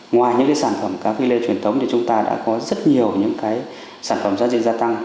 ngoài những cái sản phẩm cá phi lê truyền thống thì chúng ta đã có rất nhiều những cái sản phẩm giá trị gia tăng